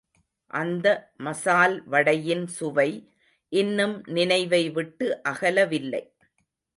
அந்த மசால் வடையின் சுவை இன்னும் நினைவை விட்டு அகலவில்லை.